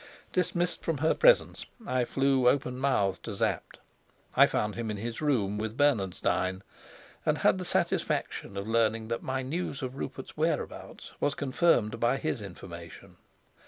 Dismissed from her presence, I flew open mouthed to Sapt. I found him in his room with Bernenstein, and had the satisfaction of learning that my news of Rupert's whereabouts was confirmed by his information.